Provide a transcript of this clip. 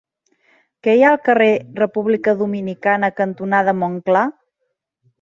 Què hi ha al carrer República Dominicana cantonada Montclar?